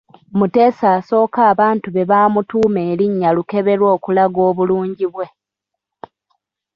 Muteesa I abantu be bamutuuma erinnya Lukeberwa okulaga obulungi bwe.